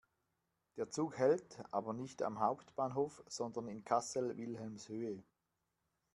Der Zug hält aber nicht am Hauptbahnhof, sondern in Kassel-Wilhelmshöhe.